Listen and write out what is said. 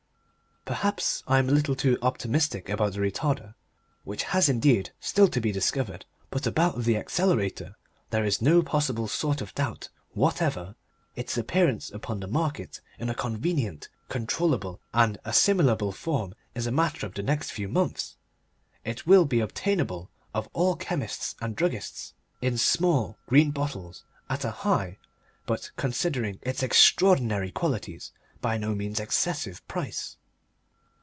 Perhaps I am a little optimistic about the Retarder, which has indeed still to be discovered, but about the Accelerator there is no possible sort of doubt whatever. Its appearance upon the market in a convenient, controllable, and assimilable form is a matter of the next few months. It will be obtainable of all chemists and druggists, in small green bottles, at a high but, considering its extraordinary qualities, by no means excessive price.